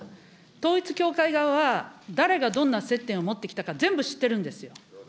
統一教会側は、誰がどんな接点を持ってきたか全部知ってるんですよ。